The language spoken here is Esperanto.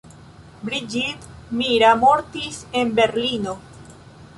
Brigitte Mira mortis en Berlino.